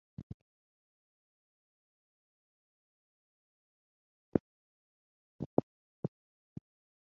The Abrial's wings had the designer's own reflexed camber aerofoil.